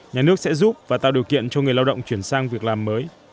nhà nước sẽ giúp và tạo điều kiện cho người lao động chuyển sang việc làm mới